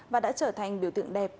và đã trở thành biểu tượng đẹp